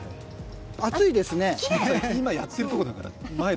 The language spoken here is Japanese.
熱いですね。